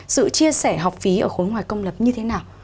sự chia sẻ học phí ở khối ngoài công lập như thế nào